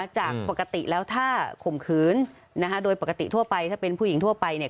จากปกติแล้วถ้าข่มขืนนะคะโดยปกติทั่วไปถ้าเป็นผู้หญิงทั่วไปเนี่ย